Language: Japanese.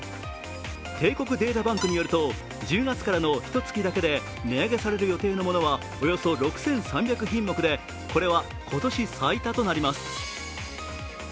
帝国データバンクによると１０月からのひとつきだけで値上げされる予定のものはおよそ６３００品目でこれは今年最多となります。